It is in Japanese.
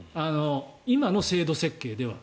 今の制度設計では。